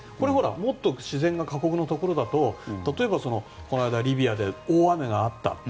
もっと自然が過酷なところだと例えば、この間リビアで大雨があった。